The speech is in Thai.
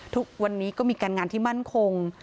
ทุกวันนี้ก็มีการงานที่มั่นคง